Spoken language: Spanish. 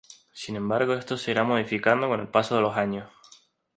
Sin embargo esto se irá modificando con el paso de los años.